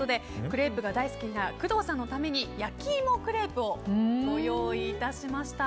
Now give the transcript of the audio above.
クレープが大好きな工藤さんのために焼き芋クレープをご用意いたしました。